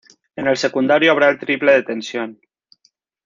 En el secundario habrá el triple de tensión.